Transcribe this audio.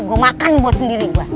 gue makan buat sendiri gue